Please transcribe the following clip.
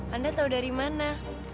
anda tau dari mana